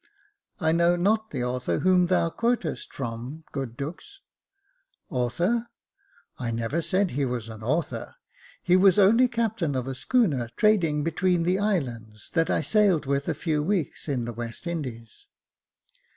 " I know not the author whom thou quotest from, good Dux." " Author !— I never said he was an author ; he was only captain of a schooner, trading between the islands, that I sailed with a few weeks in the West Indies."